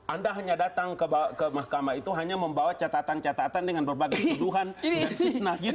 anda hanya datang ke mahkamah itu hanya membawa catatan catatan dengan berbagai tuduhan dan fitnah gitu